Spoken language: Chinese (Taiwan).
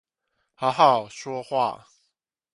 好好說話